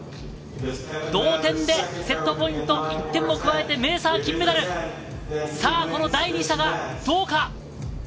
同点でセットポイント、１点を加えてメーサー金メダル、第２射がどうか？